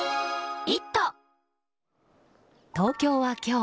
東京は今日